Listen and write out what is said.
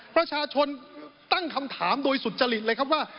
ประชาชนตั้งคำถามโดยสุจริตเลยครับว่า